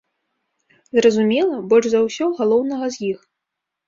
Зразумела, больш за ўсё галоўнага з іх.